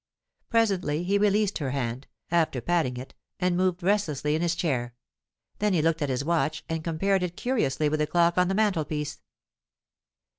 Presently he released her hand, after patting it, and moved restlessly in his chair; then he looked at his watch, and compared it curiously with the clock on the mantelpiece.